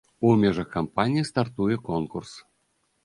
У межах кампаніі стартуе конкурс.